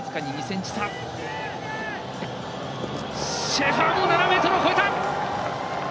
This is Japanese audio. シェファーも７ｍ超えた！